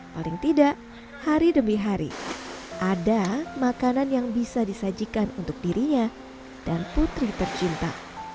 paling tidak hari demi hari ada makanan yang bisa disajikan untuk dirinya dan putri tercinta